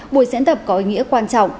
buổi diễn tập có ý nghĩa quan trọng